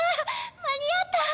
間に合った！